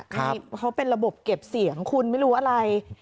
นี่เขาเป็นระบบเก็บเสียงคุณไม่รู้อะไร